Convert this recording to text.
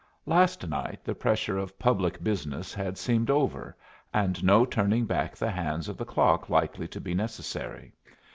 Last night the pressure of public business had seemed over, and no turning back the hands of the clock likely to be necessary.